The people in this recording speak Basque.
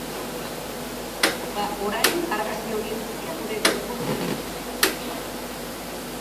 Bada, orain, argazki horiek guztiak gure webgunean dituzue.